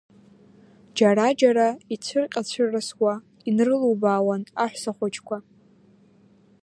Џьара-џьара ицәырҟьацәырасуа инрылубаауан аҳәсахәыҷқәа.